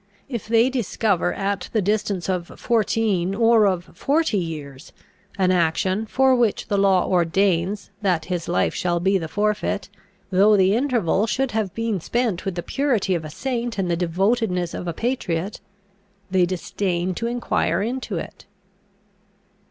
If they discover at the distance of fourteen[G] or of forty years[H] an action for which the law ordains that his life shall be the forfeit, though the interval should have been spent with the purity of a saint and the devotedness of a patriot, they disdain to enquire into it.